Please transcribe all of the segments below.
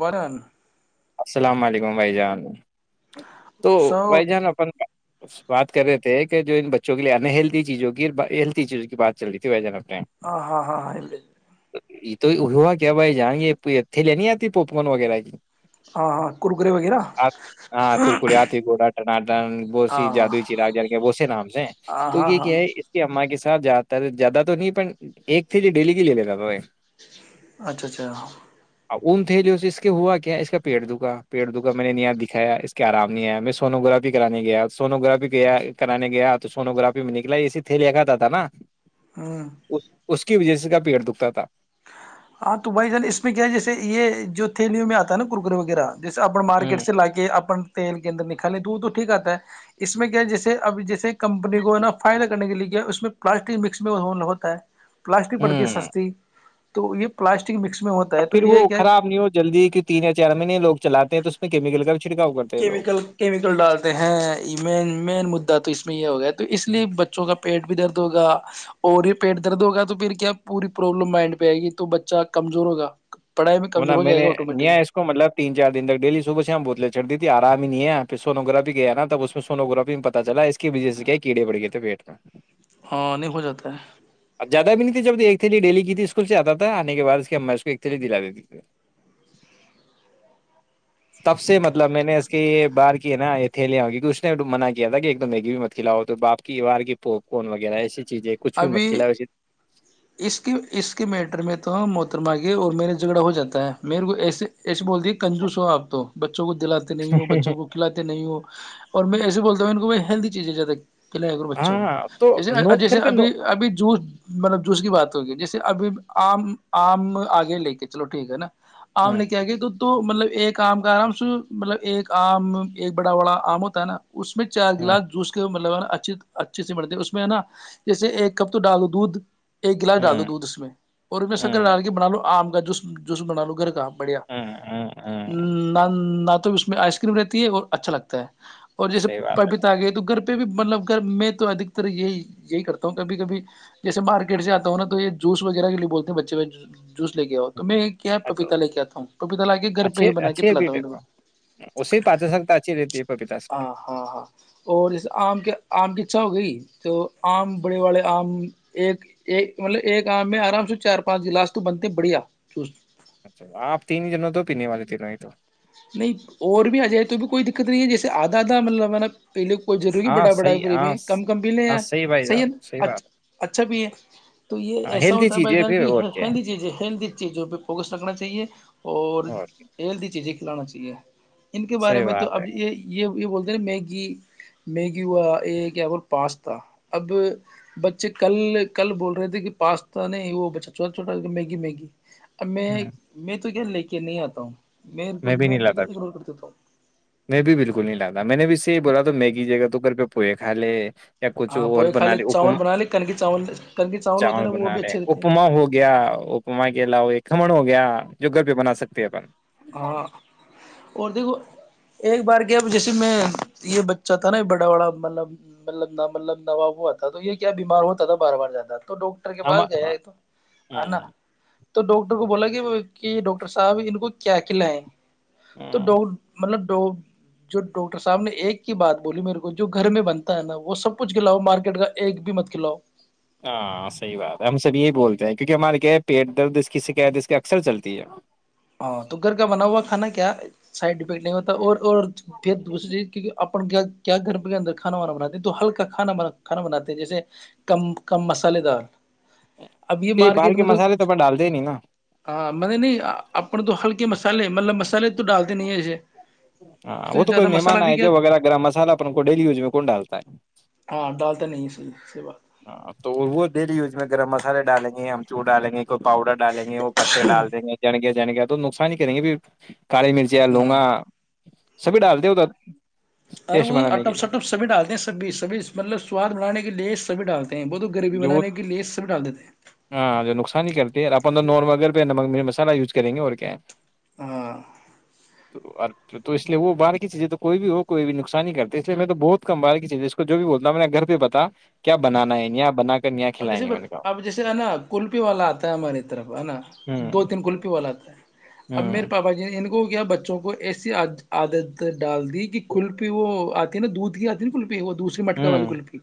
ورن السلام علیکم بھائی جان تو سو بھائی جان اپن بات کرے تھے کہ جو ان بچوں کے لی انہیلدی چیزوں کی ہیلتی چیزوں کی بات چ رہ تھی بائی جناب ہاں ہاں ہاں ہاں ال یہ تو ہوا کیا بھائی جائیں گےھی لے نہیں آتی پاپ کارن وغیرہ کی ہاں ہاں کرکرے وغیرہ آپ ہاں ککریاتی گا ٹناٹن بوسی ہاں ہاں جادوئی چراغ کے بس نام سے ہاں تو ہاں یہ ہاں کیا ہے اس کے اا کی جاتا تھا زیادہ تو نہیں ایک تھی جو ڈیلی کی لے لیتا تھا اچھا اچھا ام تھ جو اس کے ہوا کیا اس کا پیڑ دکھا پیڑ دکھا میں نےاں دکھایا اس کے آرام نہیں آیا میں سوگرافی کرانے گیا سونو گرافی کرانے گیا تو سونو گرافی میں نکلا یہے تھھی لے آ تھا نا ہوں اس اس کی وجہ سے کا پیڑ دکھتا تھا ہاں تو بھائی جان اس میں کیا ہے جیے یہ جو تھیلیوں میں آتا نا کررکرے وغیرہ جیسے اپنا ہ مارکیٹ سے لا کے اپن تیل کے اندر نکالے تو وہ تو ٹھیک آتا ہے اس میں کیا جیسے اب جیسے کمپنی کو نا فائدہ کرنے کے لیے کیا اس میں پلاسٹک مکس میں ہوتا ہے پلاسٹک پڑتی ہے ہ سستی وہ یہ پلاسٹک مکس میں ہوتا اب ہے تو پھر یہ وہ کیا خراب نہیں ہو جلدی کی تین یا چار مہینے لوگ چلاتے ہیں تو کیمیکل کا چھڑکاؤ کرتے ہیں لوگ کیمیکل کیمیکل ڈالتے ہیں ای مین مین مدا تو اس میں یہ ہو گا تو اس اس لیے بچوں کا پیٹ بھی درد ہوگا اور یہ پیٹ درد ہوگا تو پھر کیا پوری پرابلم مائنڈ پہ آئے گی تو بچہ کمزور ہوگا پڑھائی وہ نا کمزور ہو میں جائے نے گا نیا آٹومیٹکلی ہے اس کو مطلب تین چار دن تک ڈیلی صبح شام بوتل چڑ دی تھی آرام ہی نہیں ہے پھر سونو گرافی گیا نا تب اس میں سونو گگرافی میں پہ چلا اس کی وجہ سے کیا کیڑےڑ گئے تھے پیٹ میں ہاں نہیں ہو جاتا ہے جیاد بھی نہیں جب ایک تھھیلی ڈیلی کی تھی اسکول سے آتا تھا آنے کےع اس کی ہم اس کو ایک تھلی دلا دیھی [inaudible] تب سے مطلب میں نے ای بار کی نا یہ تھیلیا ہوگی کہ اس نے منع کیا تھا کہ ایک د میگی بھی مت کھلاؤ تو باپ کی بار کی پوپ کون وغیرہ ایسی چیزیں کچھ بھی ابھی مت کھلاؤ ایسی اس کی اس کے میٹر میں تو ہے موتی مگے اور میرے جھگڑا ہو جاتا ہے میرے کو ایسے ایسے بول دی کنجوس ہو آپ بچوں کو دلاتے نہیں ہو بچوں کو کھلاتے نہیں ہو اور میں ایسے بولتا ہوں ان کو میں ہیلی چیزیں جیادہ کل بچوں کو ہاں تو جیسے نوک جیسے گھر پہ نو ابھی جوس مطلب جوس کی بات ہوگی جیسے ابھی آم آم آگے لے کے چلو ٹھیک ہے نا آم ہوں لے کے آ گئے دھ تو مطلب ایک آم کا آرام س مطلب ایک آم ایک بڑا بڑا آم ہوتا ہے نا اس میں چار ہوں گلاس جوس کے مطلب نا اچ اچھے سے مرتے اس میں ہے نا جیسے ایک کپ تو ڈالو دودھ ایک گلاس ڈال دو ہوں دودھ اس میں اور اس میں سکر ہوں ڈال کے بنا لو آم [inaudible] بڑھیا ہوں ہوں اس میں آئس کریم رہتی ہے اور اچھا لگتا ہے اور جیسے صحیح بات ہے پرپیتا آ گئی تو گھر بھی مطلب اگر میں تو ادکتر یہی یہی کرتا ہ کبھی کبھی جیسے مارکیٹ سے آتا ہوں نا تو یہ جوس وغیرہ کے لیے بول ہیں بچے ب جوس لے کے آؤ تو میں کیا ا تو پپیتا لے کے آتا ہوں پپیتا لا کے گھر پہ اچھی ہی بنا کے اچھی ہے پلاتا بیٹ ہوں ان کو اسے پچ سکتا اچھی رہتی ہے پپیتا سے ہاں ہاں ہاں اور جسے آم کے آم کی چا ہو گئی تو آم بڑے والڑے آم ایک ایک مطلب ایک آم میں آرام سے چار پانچ گلاس تو بنتے بڑھیا چ اچھا آپ تین ہی جنوں تو پینے والے تینوں ہی تو نہیں اور بھی آ جائے تو بھی کوئی دقت نہیں ہے جیسے آدھا آدھا مطلب ہے نا پہ لے کوئی ضروری ہاں بڑھا بڑھا صحیح پ ہاں بھی کم کم بھی لے ہاں یار بھائی صحیح جان بات ہےچھ اچھا بھی ہے تو یہ ہاں ایسا ہیلدی ہوتا ہے بھائی چیزیں جان پھر کی اور کیا ہیلدی چیز ہے ہیلدی چیزوں پہ فوکس رکھنا چاہیے اور ہے کیا ہیلی چیزیں کلانا چاہیے ان کے بارے صحیح میں تو بات ہے اب یہ یہ یہ بولتے ہیں ن میگی میگی ہوا یہ کیا بول پاستا اب بچے کل کل بول رہے تھے کہ پاستا نہیں وہ بچہ چھوٹا چھوٹا میگی میگی [inaudible] ہ گھر لے کے نہیں آتا ہوں میں میں بھی نہیں تو کیا لاتا بکل اگنور کر دیتا ہوں میں بھی بالکل نہیں لاتا میں نے بھی بولا تو میگی جگہ تو کر پہ پوئے کا لے یا کچھ ہاں اور پوئے کھا بنا لے چاول اپما بنا لے کن کے چاول کن کے ہوتے ہیں چاول نا وہ بنا بھی لے اچھے رہتے ہیں اپما ہو گیا اپما کے علاوہ یہ کمن ہو گیا یا جو گھر پہ بنا سکتے ہیں اپن ہاں اور دیکھو ایک بار کیا جیسے میں یہ بچہ تھا نا بڑا بڑا مطلب مطلب مطلب ن باب ہوا تھا تو یہ کیا بیمار ہوتا تھا بار بار جاتا تھا تو ڈاکٹر کے ہم پاس گیا ہے تو ہے نا ہوں، تو ڈاکٹر کو بولا گ کہ ڈاکٹر صاحب ان کو کیا اکلا ہے تو ہوں، ڈو مطلب تو جو ڈاکٹر صاحب نے ایک کی بات بولی میرے کو جو گھر میں بنتا ہے نا وہ سب کچھ کلاؤ مارکیٹ کا ایک بھی مت کھلاؤ ہاں صحی بات ہے ہم سب یہی بولتے ہیں کیونکہ ہمارے کیا پیٹ درد اس کی شکایت اس کے اکثر چلتی ہے ہاں تو گھر کا بنا ہوا کھانا کیا سائڈ افیکٹ نہیں ہوتا اور اور پھر دوسری چیز کیونکہ ا کیا گھر کے اندر کھانا وانا بناتے ہیں تو ہلکا کھا کھانا بناتے ہیں جیسے کم کم مسالے دار اب یہ باہر مارکیٹ کے میں تو مسالے اپن ڈالتے ہی نہیں نا ہاں میں نے نہیں اپن تو ہلکے مسالے مطلب مسالحے تو ڈالتے نہیں ہیں ایسے ہاں وہ تو کوئی زیادہ مہمان مسالہ بھی آئے کیا ج وغیرہ گرم مسالہ اپ ان کو ڈیلی یوز میں کون ڈالتا ہے ہاں ڈالتا نہیں ہے صحیح سے بات ہاں تو وہ دری اس میں گرم مسالے ڈالیں ہم چوا گے پاؤڈر ڈالیں گے وہ پتے ڈال دیں گے جنگے جن گے تو نقصان ہی کریں گے بھیھر کالی مرچ لوگا ہاں سبھی ڈالتے ہو ت ارے وہ اٹم سٹم سبھی ڈالتے ہیں سبھیز سبھیز مطلب سواد بنانے کے لیے سب ڈاک بہ تو غریبی جو وہ بنانے کی لیس س بھی ڈال دی تھے پ اپن تو نار مل پ مسالہ یوز کریں گے اور کیا ہاں تو اور تو اس لیے وہ باہر کی چیزیں تو کوئی بھی ہو کوئی بھی نقصانی نہیں کرتا اس لیے میں تو بہت کم باہ کی چیزیں ہے اس کو جو بھی بولتا ہوں نے گھر پہ پتا کیا بنانا ہے یہ آپ بنا کر یہاں اب کھلائیں جیسے گے میں نے کہا اب جیسے ہے نا کلفی والا آتا ہے ہماری طرف ہے نا ہوں دو تین کلفی والا آتا ہے اب میر ہوں پاپا جی نے ان کو ہو گیا بچوں کو ایسی عادت ڈال دی کہ کل پی وہ آتی ہے نا دودھ کی آتی ہے نا کلپی وہ دوسری مٹکا والی ہوں کلفی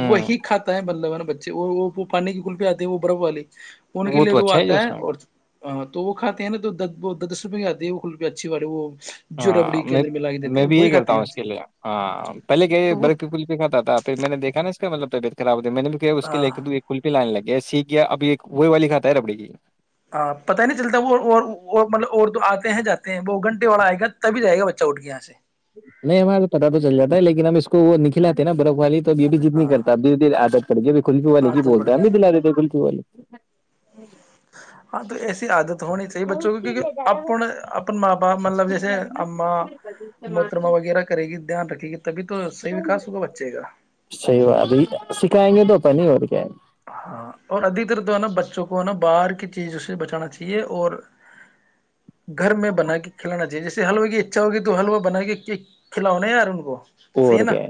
ہوں وہی کاتا ہے بدلون اچ وہ پانی کی کل پہ آتی ہیں وہ برف والی ان کے لیے تو وہ آتا ہے اور تو وہ کاتے ہیں ن تو دس روپئے کےاتے ہے وہ ک روپ اچھی والےی وہ جو ربڑی ہاں کے میں اندر ملا کے دیتے میں ہیں بھی وہی یہ کھاتے کرتا ہیں ہوں اس کے بچے لیے ہاں پہلے کہ تو وہ برف کے کل پ کتا تھا پھر میں نے دیکھا نا مطبٹھلا میں نے بھی کیا اس کے ہاں لے تو ایکل کی لائن لگے ایسیے ہی کیا اب ایک وہی والی کاتا ہے ربڑی کی ہاں پتا ہی نہیں چلتا وہ مطلب اور تو آتے ہیں جاتے ہیں وہ گھنٹے والا آئے گا تبھی جائے گا بچہ اٹھ کے یہاں سے نہیں ہمارے تو پتا تو چل جاتا ہے لیکن ہم اس کو وہ نکلاتے ہیں نا برف والی تو بیوٹی جتنی ہاں کرتا بی آ پڑ گ بھی کل کییو والے کی عادت پڑ بولتے ہیں اب گئی بھی دلا دیتے ککی والے ہاں تو ایسی عادت ہونی چاہیے بچوں کی کیونکہ اپن اپنے ماں باپ مطلب جیسے اما موترما وغیرہ کرے گی دھیان رکھے گی تبھی تو صحیح وکاس ہوگا بچے کا صحی بات ابھی سکھائیں گے تو پنیور کے ہاں اور ادھتر تو ہے نا بچوں کو ہے نا باہر کی چیزوں سے بچانا چاہیے اور گھر میں بنا کے کھلانا چاہیے جیسے حلوے کی اچھا ہوگی تو حلوا بنا کے کھلاؤناا یار ان کو صحیح ہے اور نا کیا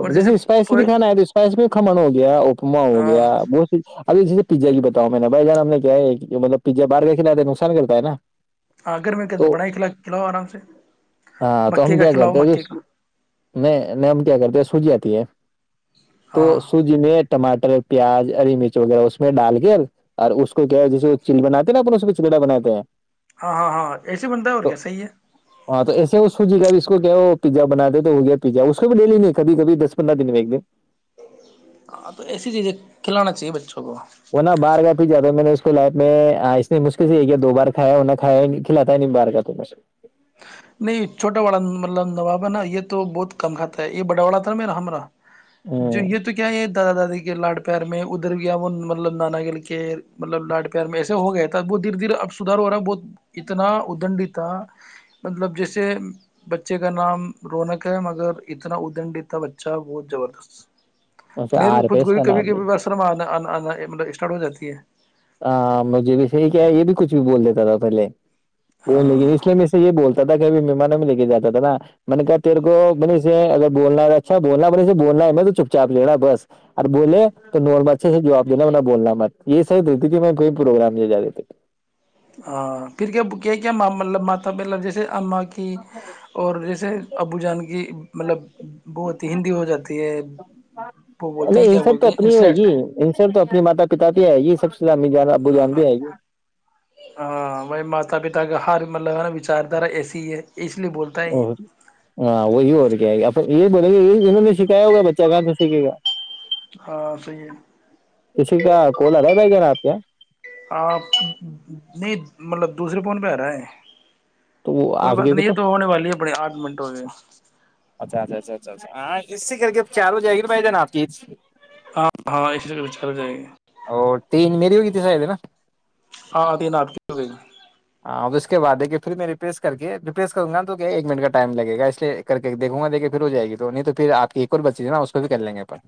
اور جیسے اسپائسی بھی کوئی کھانا ہے تو اسپائسی بھی کھمن ہو گیا کما ہو گیا ہاں بت سی اب جیس پزا بتاؤ میں نے بائی جان ہم نے کیا ہے کہ مطلب پزا باہار کھلاے ہے نقصان کرتا ہےا ہاں گر میںے کے اندر بنا کھلا کھلاؤ آرام سے ہاں مک تو ہم کا کیا کھلاؤ کرتے ہیں جو مکے کا نہیں نہیں ہم کیا کرتے ہیں سوج آتی ہے تو ہاں سو جی میں ٹماٹر پیاز ہری مرچ وغیرہ اس میں ڈال کے اور اس کو کیا ہے جیسے وہ چل بناتے نا اپن اس چکڑا بناتے ہیں ہاں ہاں ہاں ایسے بنتا ہے اور تو کیا صحیح ہے ہاں تو ایسے وہ سوجیے گاب اس کو کیا وہ پیزا بنا دے ہو گیا پزا اس کو بھی ڈےلی نہیں کبھی کبھی دس پندرہ دن میں ایک دن ہاں تو ایسی چیزیں کھلانا چاہیے بچوں کو وہ ن بر گا پھر جاتا تھا میں نے اس کو میں اتنی مشکل سے یہ دو بار کھیا نہ کھیا کھلاتا ہے بار تو نہیں چھوٹا والا مطلب نوابا نا یہ تو بہت کم کھاتا ہے یہ بڑا والڑا تھا نا میرا ہم رہا جو ہ یہ تو کیا ہے دادا دادی کے لاڈ پ پار میں ادھر گیا وہ مطلب نانا گل کے مطلب لاڈ پیار میں ایسے ہو گیا تھا وہ دھیرے دھیر اب سدار ہو رہا بہت اتنا ادنڈتا مطلب جیسے بچے کا نام رونق ہے مگر اتنا ادنڈتا بچہ بہت زبردست ویسے میر رو آر پہ خود اس کوئی کا کبھی نام بھی کبھی بسرم آ آنا ط اسٹارٹ ہو جاتی ہے ہاں مجھے بھی صحیح کیا یہ بھی کچھ بھی بول دیتا تھا پہلے ب لیکن ہاں اس لیے میں سے یہ بولتا مہمانوں میں لے کے جاتا تھا نا کہ تے کو اگر بولنا اھا ب ب چپ چاپ لینا بس اور بول تو اچھ سے جوابینا ب یہ دیتی کہ میں کویں پروگرام لے جاے تھے ہاں پھر کیا کیا کیا مطلب ماتا مطلب جیسے ااں کی اور جیسے ابو جان کی مطلب وہ ہوتی ہندی ہو جاتی ہے وہ بولتے ہیں نہیں ان کیا سب بولتے تو ہیں اپنی ہوئے انسلیٹ گی سلامی جان آبو جان بھی ہیں گ ہاں بھائی ماتا پتا کا ہر مطلب ہے نا وچاردارا ایسی ہے اس لیے بولتا ہے ا یہ ہاں وہی ہو کے تو یہ بڑے یہ وں نے سکھایا ہوگا بچہ کا تو سیکھے گا ہاں صحیح ہے کا کولر ہے بھائی جانا آپ کے یہ آ نہیں مطلب دوسرے فون پ رہا ہے تو وہ کوئی آپ بات کے بھی نہیں یہ تو ہونے والی اپنے آٹھ منٹ ہو گئے اچھا اچھا اچھا ہاں اسی کر کے چار ہو جائے گی بھائی جانا آپ کی ہاں ہاں اسی سے کچ کر ہو جائے گی دت س ہے نا آاں د ندتی ہو گ ہاں ا اس کے بع دیکھیے پھر میں رپس کے ریپلیس کروں گا تو کہ ایک منٹ کا ٹائم لگےا اس لیے کر کے دیکھوں گا دیکے پھر ہو جائے گی تو نہیں تو پھر آپ کی ایک اور بچی ہے نا اس کو بھی کر لیں گے اپن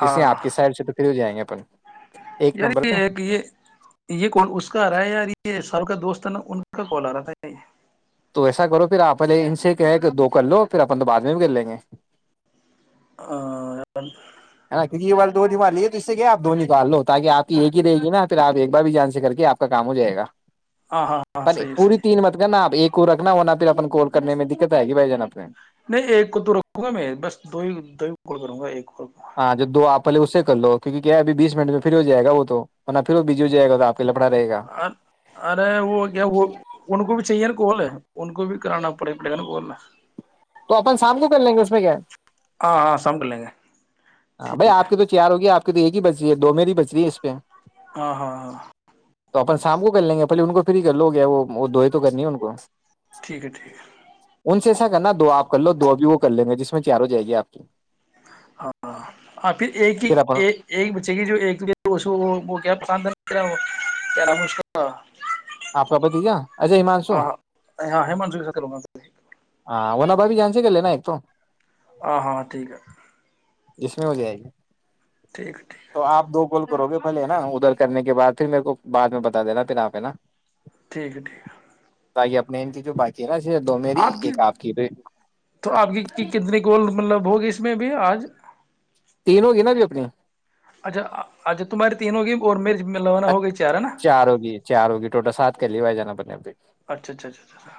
جیسے ہاں آپ کی سائڈ سے تو پھر ہو جائیں گے ج اپن ایک یار نمبر یہ پہ ہے کہ یہ یہ کون اس کا آ رہا ہے یار یہ ایسا سب کا دوست ہے نا ان کا کال آ رہا تھا نہیں تو ایسا کرو پھر آپے ان سے کہ کہ دو کر لو پھر اپن تو بعد میں بھی گر لیں گے ہ ہےا کیونک یہ والار دو ن مال لیے تو اس سے کیا آپ دو نکال لو تاکہ آپ کی ایک ہی رہے گی نا پھر آپ ایک بار بھی جان سے کر کے آپ کام ہو جائے گا ہاں ہاں پ صحیح پوری صحیح تین مت کر ن آپ ایک کو رکھنا ہوا نہ پھر اپن کوال کرنے میں دقت آئے گی بائی جان اپنے [unintelligible] نہیں ایک کو تو رکھوں گا میں بس دو ہی دو ہیڑ کروں گا ایک ہاں جو دو آپ پلے اسے کرو کیونک کیا ہے اب بیس منٹ میں پھر ہو جائے گا وہ توہ پھر وہ بجی ہو جائےا آپ [unintelligible] گا ارے وہ کیا وہ ان کو بھی چاہیے گول ان کو بھی کرانا پڑے پڑن گول [unintelligible] تو اپن شام کو کر لیں گے اس میں کیا ہے ہاں ہاں سمٹلے گ ہاں بھائی آپ تو چیئار ہوگی آپ تو ایک ہی بچ رہی ہے دو میری بچ رہی ہے اس پہ [unintelligible] ہاں ہاں ہاں تو اپن شام کو کر لیں گے پہے ان کو پھر ہی کر لو گیا وہ دئے تو کرنی ان کو [unintelligible] ٹھیک ہے ٹھیک ہے [unintelligible] ان سے ایسا کرنا دو آپ کر لو دو اھی وہ کر لیں گے جس میں چار ہو جائے گی آپ کی [unintelligible] ہاں ہاں ہ پھر ایک کی ایک ایک بچے کی جو ایکشو وہ کیا پسند ہے [unintelligible] کیارا ہش [unintelligible] آپ کا بدی جا اجے مان سو ہاں ہاں ہاں ہیمانشو کے ساتھ کروں گا ہاں ونا بھ بھی جان سے گ لے نا ایک تو ہاں ہاں ٹھیک ہے جس میں ہو جائے گی [unintelligible] ٹھیک ہے تو آپ دو کوول [unintelligible] و گے پہلے ہے نا ادھر کرنے کے بعد پھر میرے کو بع میں بتا دینا پھر آپ نا ٹھیک ہے ٹھیک ہے تاکہ اپنے ان کی جو بقی ہے نا دمیر ہی آپ کی تو آپ کی کہ کتنے کوول مطلب ہوگی اس میں بھی آج تین ہوگی نا بھیبھی اپنی اچھا اچھا تمہاراری تین ہو گی اور میرری اچھ چار ہوگی چار ہوگی ٹوٹل سار کلیوائے جانا اپنےب اچھا اچھا اچھا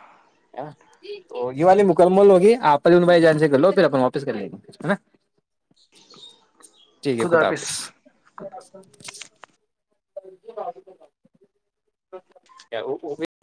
تو یہ والی مکمل ہوگی آپ پ بائی جان سے کر لو پھر اپ واپس کر لیں گے نا [inaudible] ٹھیک ہے خدا حافظ خدا وہ